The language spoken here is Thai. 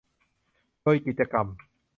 โดยกิจกรรม